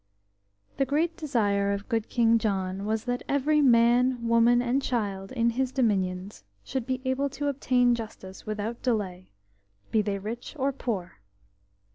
HE great desire of good King John was that every man, woman, and child in his dominions should be able to obtain justice without delay, be they rich or poor.